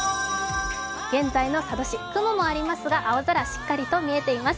現在の佐渡市、雲もありますが、青空しっかりと見えています。